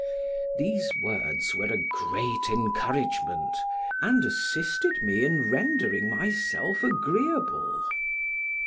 These words were a great encouragement, and assisted me in rendering myself agreeable.